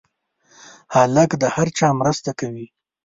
هلک د هر چا مرسته کوي.